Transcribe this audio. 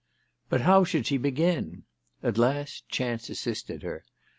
But how should she begin ? At last chance assisted her.